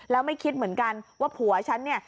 แล้วไม่คิดเหมือนกันว่าผัวฉันเนี่ย